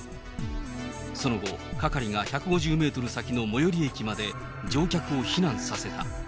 その後、係が１５０メートル先の最寄り駅まで、乗客を避難させた。